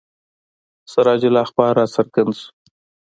سراج الاخبار را څرګند شو.